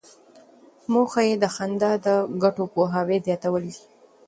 موخه یې د خندا د ګټو پوهاوی زیاتول دي.